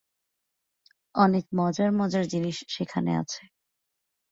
অনেক মজার মজার জিনিস সেখানে আছে।